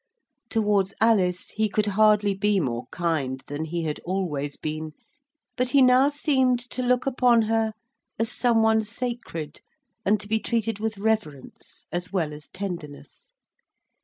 Towards Alice he could hardly be more kind than he had always been; but he now seemed to look upon her as some one sacred and to be treated with reverence, as well as tenderness.